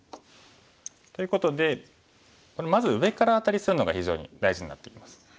ということでこれまず上からアタリするのが非常に大事になってきます。